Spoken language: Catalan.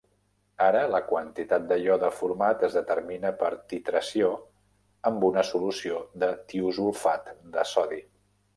Ara, la quantitat de iode format es determina per titració amb una solució de tiosulfat de sodi.